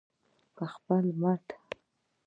په خپل مټ.